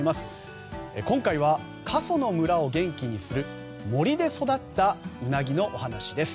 今回は、過疎の村を元気にする森で育ったうなぎのお話です。